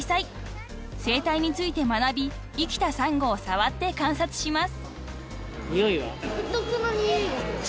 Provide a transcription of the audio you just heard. ［生態について学び生きたサンゴを触って観察します］